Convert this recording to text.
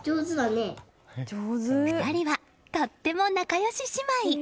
２人はとても仲良し姉妹。